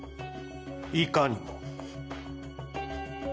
いかにも。